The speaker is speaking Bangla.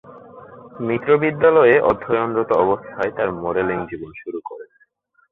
মিত্র বিদ্যালয়ে অধ্যয়নরত অবস্থায় তার মডেলিং জীবন শুরু করেন।